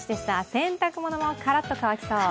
洗濯物もからっと乾きそう。